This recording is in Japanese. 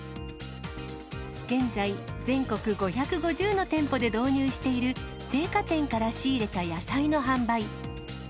現在、全国５５０の店舗で導入している青果店から仕入れた野菜の販売。